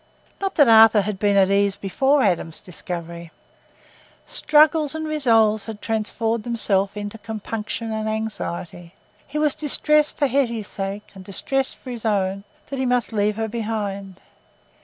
Not that Arthur had been at ease before Adam's discovery. Struggles and resolves had transformed themselves into compunction and anxiety. He was distressed for Hetty's sake, and distressed for his own, that he must leave her behind.